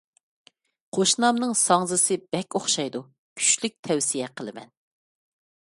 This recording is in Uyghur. قوشنامنىڭ ساڭزىسى بەك ئوخشايدۇ، كۈچلۈك تەۋسىيە قىلىمەن.